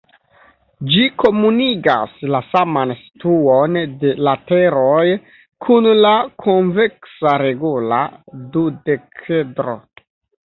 Ĝi komunigas la saman situon de lateroj kun la konveksa regula dudekedro.